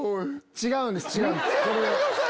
違うんです。